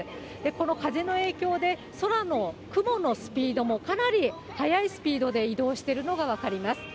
この風の影響で、空の雲のスピードもかなり速いスピードで移動しているのが分かります。